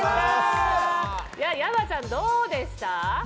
山ちゃん、どうでした？